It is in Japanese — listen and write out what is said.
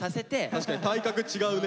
確かに体格違うね。